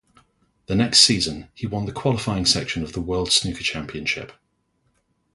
The next season, he won the qualifying section of the World Snooker Championship.